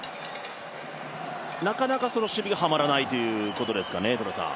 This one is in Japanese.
なかなか守備がはまらないということですかね。